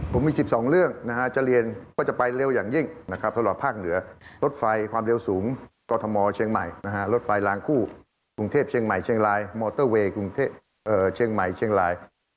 ผมมี๑๒เรื่องนะฮะจะเรียนว่าจะไปเร็วอย่างยิ่งนะครับสำหรับภาคเหนือรถไฟความเร็วสูงกรทมเชียงใหม่รถไฟลางคู่กรุงเทพเชียงใหม่เชียงรายมอเตอร์เวย์กรุงเทพเชียงใหม่เชียงราย